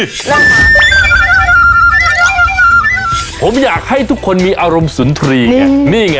เลยผมอยากให้ทุกคนมีอารมณ์สุนทรีเนี้ยนี่ไง